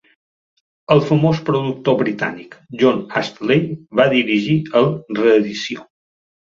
El famós productor britànic Jon Astley va dirigir el reedició.